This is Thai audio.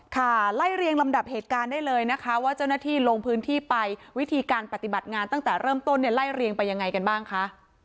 ค่ะไล่เรียงลำดับเหตุการณ์ได้เลยนะคะว่าเจ้าหน้าที่ลงพื้นที่ไปวิธีการปฏิบัติงานตั้งแต่เริ่มต้นเนี่ยไล่เรียงไปยังไงกันบ้างคะ